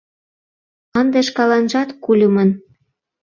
Ынде шкаланжат кульымын...